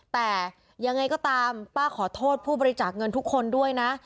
แต่ยังไงก็ตามป้าขอโทษผู้บริจาคเงินทุกคนด้วยนะ